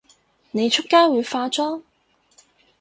你出街會化妝？